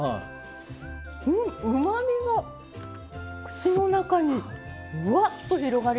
うまみが口の中にうわっと広がりますね。